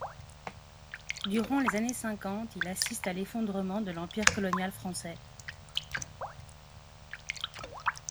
Durant les années cinquante, il assiste à l'effondrement de l'Empire colonial français.